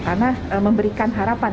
karena memberikan harapan